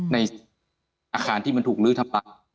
ในอาคารที่มันถูกลื้อทับไป